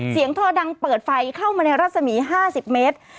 ท่อดังเปิดไฟเข้ามาในรัศมี๕๐เมตร